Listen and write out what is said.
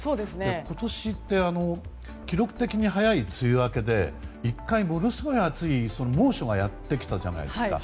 今年って記録的に早い梅雨明けで１回、ものすごい猛暑がやってきたじゃないですか。